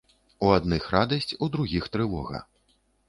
У адных радасць, у другіх трывога.